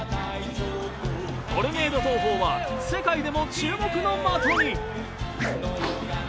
トルネード投法は世界でも注目の的に。